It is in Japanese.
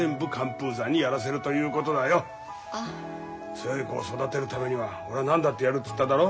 強い子を育てるためには俺は何だってやるっつっただろ？